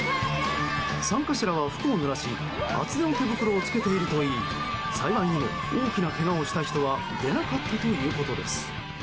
参加者らは服をぬらし厚手の手袋をつけているといい幸いにも、大きなけがをした人は出なかったということです。